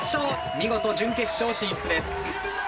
見事準決勝進出です。